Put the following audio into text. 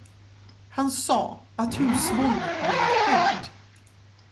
Han sa, att husbond blir hängd.